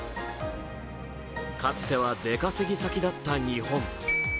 かつては出稼ぎ先だった日本。